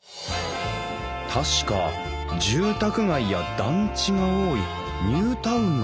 確か住宅街や団地が多いニュータウンの町だよな